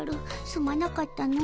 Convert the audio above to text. すまなかったの。